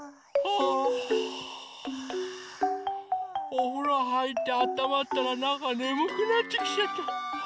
おふろはいってあったまったらなんかねむくなってきちゃった。